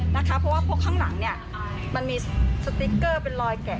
เพราะว่าพกข้างหลังเนี่ยมันมีสติ๊กเกอร์เป็นรอยแกะ